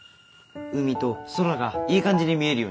海と空がいい感じに見えるように。